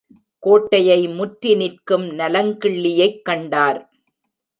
கோட்டையை முற்றி நிற்கும் நலங்கிள்ளியைக் கண்டார்.